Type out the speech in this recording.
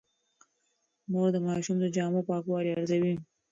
مور د ماشوم د جامو پاکوالی ارزوي.